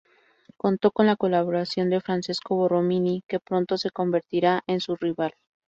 Contó con la colaboración de Francesco Borromini, que pronto se convertirá en su rival.